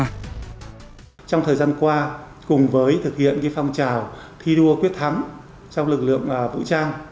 trong thời gian qua cùng với thực hiện phong trào thi đua quyết thắng trong lực lượng vũ trang